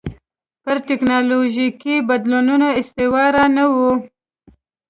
پر ټکنالوژیکي بدلونونو استواره نه وي.